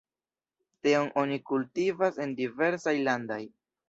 Teon oni kultivas en diversaj landaj.